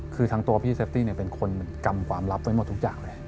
คือทั้งตัวพี่เซฟตี้เป็นคนกำความลับไว้หมดทุกอย่างแหละ